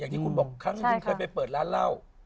อย่างที่คุณบอกครั้งหนึ่งเคยไปเปิดร้านเล่า